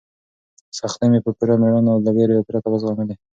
سختۍ مې په پوره مېړانه او له وېرې پرته وزغملې.